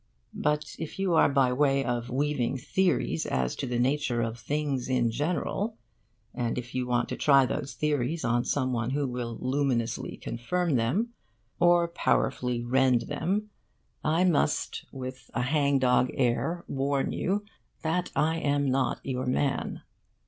But if you are by way of weaving theories as to the nature of things in general, and if you want to try those theories on some one who will luminously confirm them or powerfully rend them, I must, with a hang dog air, warn you that I am not your man.